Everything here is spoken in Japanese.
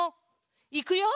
いくよ。